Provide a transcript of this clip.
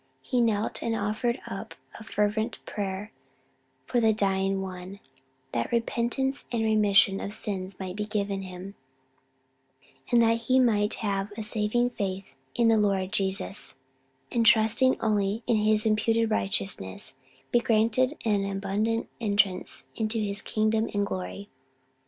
He knelt and offered up a fervent prayer for the dying one, that repentance and remission of sins might be given him, that he might have a saving faith in the Lord Jesus, and trusting only in His imputed righteousness, be granted an abundant entrance into His kingdom and glory.